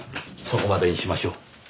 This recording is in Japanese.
そこまでにしましょう。